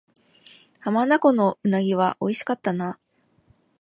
浜名湖の鰻は美味しかったな